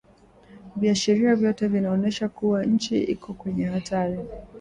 Viashiria vyote vinaonyesha kuwa nchi iko kwenye hatari